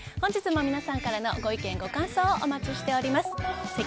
本日も皆さんからのご意見ご感想をお待ちしております。